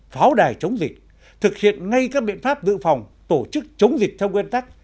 pháo đài chống dịch thực hiện ngay các biện pháp dự phòng tổ chức chống dịch theo nguyên tắc